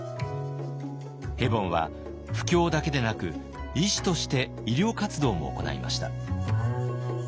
ヘボンは布教だけでなく医師として医療活動も行いました。